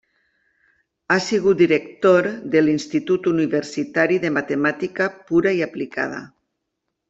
Ha sigut director de l'Institut Universitari de Matemàtica Pura i Aplicada.